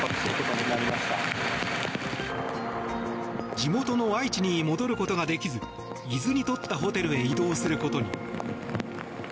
地元の愛知に戻ることができず伊豆にとったホテルへ移動することに。